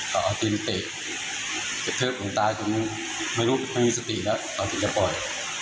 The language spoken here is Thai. เขาเอาจริงเตะจะเทิบลูกตาจนไม่รู้ไม่มีสติแล้วเอาจริงจะปล่อย